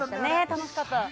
楽しかった。